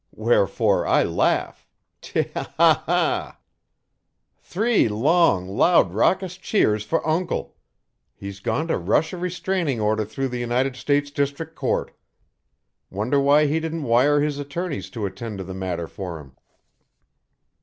Wherefore I laugh. Te he! Ha hah!" "Three long, loud raucous cheers for Uncle. He's gone to rush a restraining order through the United States District Court. Wonder why he didn't wire his attorneys to attend to the matter for him."